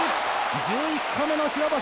１１個目の白星。